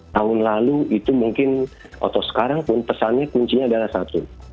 tahun lalu itu mungkin atau sekarang pun pesannya kuncinya adalah satu